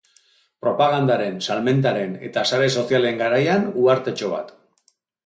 Propagandaren, salmentaren eta sare sozialen garaian, uhartetxo bat.